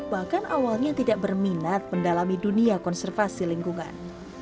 bahkan awalnya tidak berminat mendalami dunia konservasi lingkungan